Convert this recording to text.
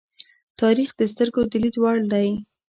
تاریخ د سترگو د لیدو وړ دی.